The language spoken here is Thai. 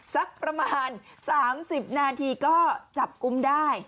สักประมาณ๓๐นาทีก็จับกุมได้